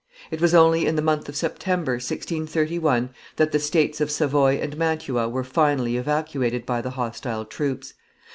It was only in the month of September, 1631, that the states of Savoy and Mantua were finally evacuated by the hostile troops.